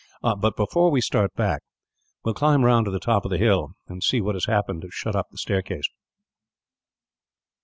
"But, before we start back, we will climb round to the top of the hill, and see what has happened to shut up the staircase."